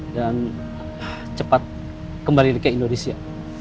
dan cepat kembali ke indonesia